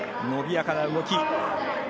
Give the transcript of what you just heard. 伸びやかな動き。